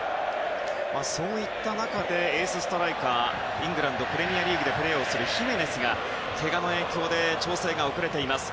そういった中でエースストライカーイングランド・プレミアリーグでプレーするヒメネスがけがの影響で調整が遅れています。